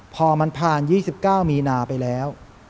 พอมันผ่าน๒๙มีนาไปแล้ว